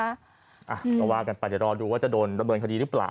อะเราว่ากันไปเดี๋ยวรอดูว่าจะโดนระเบินคดีรึเปล่า